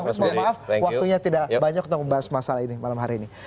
terima kasih banyak maaf maaf waktunya tidak banyak untuk membahas masalah ini malam hari ini